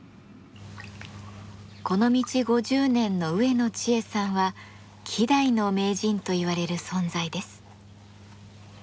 この道５０年の植野知恵さんは希代の名人といわれる存在です。